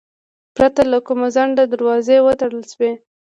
پرته له کوم ځنډه دروازې وتړل شوې.